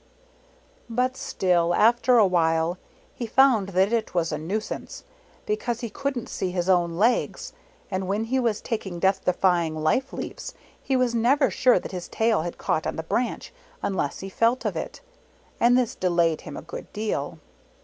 But still, after a while, he found that it was a nuisance, because he couldn't see his own legs, and when he was taking Death defying life leaps, he was never sure that his tail had caught on the branch unless he felt of it, and this delayed him a good deal.